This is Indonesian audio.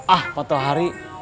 ah pak tauhari